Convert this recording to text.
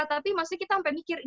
tapi maksudnya kita sampai mikir